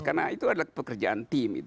karena itu adalah pekerjaan tim